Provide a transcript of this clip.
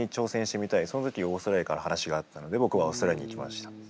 その時オーストラリアから話があったので僕はオーストラリアに行きました。